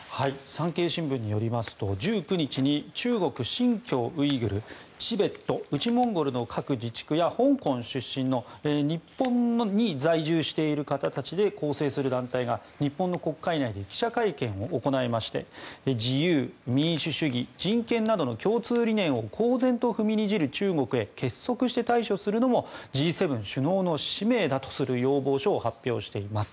産経新聞によりますと１９日に新疆ウイグルチベット、内モンゴルの各自治区や、香港出身の日本に在住している方たちで構成する団体が、日本の国会内で記者会見を行いまして自由、民主主義、人権などの共通理念を公然と踏みにじる中国へ結束して対処するのもＧ７首脳の使命だとする要望書を発表しています。